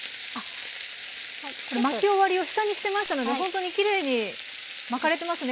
巻き終わりを下にしてましたのでほんとにきれいに巻かれてますね